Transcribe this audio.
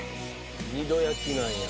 ２度焼きなんや。